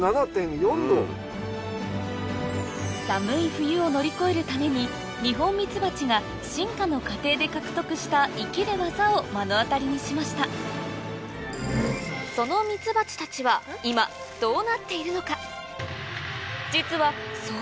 寒い冬を乗り越えるためにニホンミツバチが進化の過程で獲得した生きる技を目の当たりにしましたそのミツバチたちは今どうなっているのか？